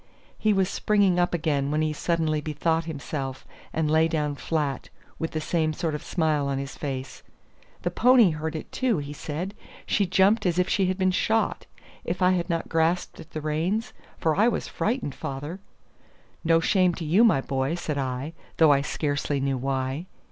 He was springing up again when he suddenly bethought himself, and lay down flat, with the same sort of smile on his face. "The pony heard it, too," he said. "She jumped as if she had been shot. If I had not grasped at the reins for I was frightened, father " "No shame to you, my boy," said I, though I scarcely knew why.